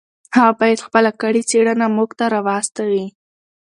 هغه باید خپله کړې څېړنه موږ ته راواستوي.